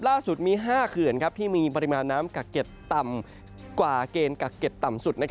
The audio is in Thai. ล่าสุดมี๕เขื่อนที่มีปริมาณน้ำกักเก็บต่ำกว่าเกณฑ์กักเก็บต่ำสุด